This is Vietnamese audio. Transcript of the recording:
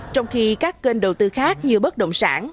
trong khi các kênh đầu tư khác như bất động sản